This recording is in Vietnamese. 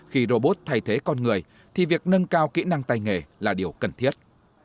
khi robot thay thế con người thì việc nâng cao kỹ năng tay nghề là điều cần thiết